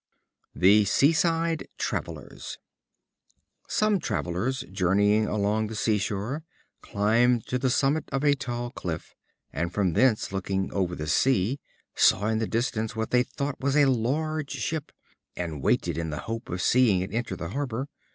The Seaside Travelers. Some travelers, journeying along the sea shore, climbed to the summit of a tall cliff, and from thence looking over the sea, saw in the distance what they thought was a large ship, and waited in the hope of seeing it enter the harbor.